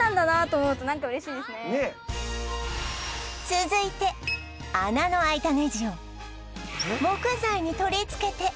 続いて穴の開いたネジを木材に取り付けて